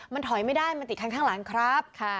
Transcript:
มันถอยไม่ได้มันติดคันข้างหลังครับ